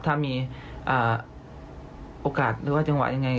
ถ้ามีโอกาสหรือว่าจังหวะยังไง